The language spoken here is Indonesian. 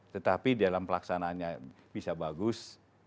tetapi dalam pelaksanaannya bisa bagus